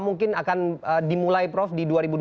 mungkin akan dimulai prof di